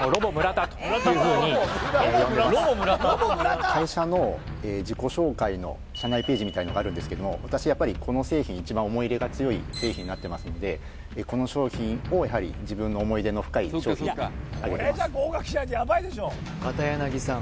私は会社の自己紹介の社内ページみたいのがあるんですけども私やっぱりこの製品一番思い入れが強い製品になってますのでこの商品をやはり自分の思い出の深い商品に挙げてます片柳さん